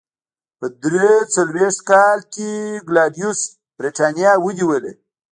په درې څلوېښت کال کې کلاډیوس برېټانیا ونیوله.